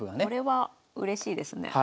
これはうれしいですね。